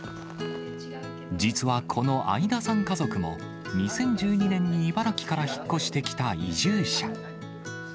実はこの相田さん家族も、２０１２年に茨城から引っ越してきた移住者。